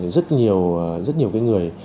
rất nhiều cái người